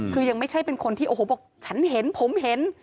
คือยังไม่ใช่เป็นคนที่โอ้โหบอกฉันเห็นผมเห็น